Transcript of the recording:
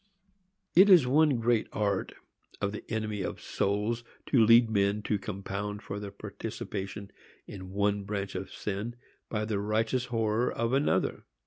It is one great art of the enemy of souls to lead men to compound for their participation in one branch of sin by their righteous horror of another.